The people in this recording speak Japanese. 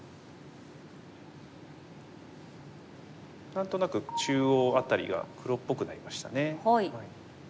何となく中央辺りが黒っぽくなりましたね。